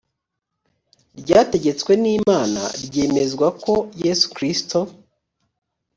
ryategetswe n imana ryemezwa ko yesu kristo